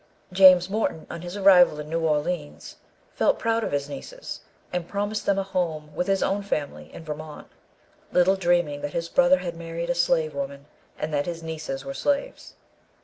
James Morton, on his arrival in New Orleans, felt proud of his nieces, and promised them a home with his own family in Vermont; little dreaming that his brother had married a slave woman, and that his nieces were slaves.